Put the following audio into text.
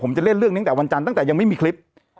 ผมจะเล่นเรื่องนี้ตั้งแต่วันจันทร์ตั้งแต่ยังไม่มีคลิป